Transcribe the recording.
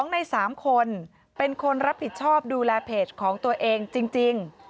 ใน๓คนเป็นคนรับผิดชอบดูแลเพจของตัวเองจริง